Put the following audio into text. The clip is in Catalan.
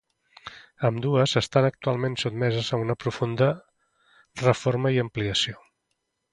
Ambdues estan actualment sotmeses a una profunda reforma i ampliació.